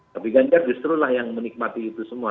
tapi ganjar justru lah yang menikmati itu semua